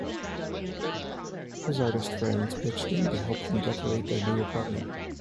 His artist friends pitched in to help them decorate their new apartment.